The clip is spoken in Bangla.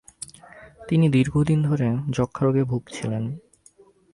তিনি দীর্ঘদিন ধরে যক্ষা রোগে ভুগছিলেন।